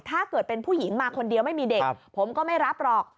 ถ้าเกิดเป็นผู้หญิงมาคนเดียวไม่มีเด็กผมก็ไม่รับหรอก